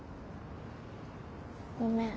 ごめん。